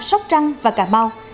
sóc trăng và cà mau